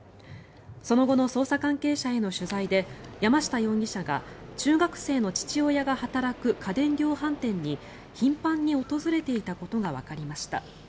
その後の捜査関係者への取材で山下容疑者が中学生の父親が働く家電量販店に頻繁に訪れていたことがわかりました。